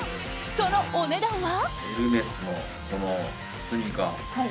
そのお値段は。